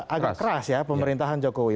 agak keras ya pemerintahan jokowi